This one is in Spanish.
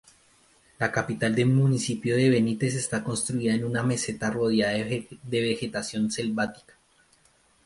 La capital del municipio Benítez está construida en una meseta rodeada de vegetación selvática.